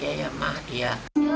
iya ya mah dia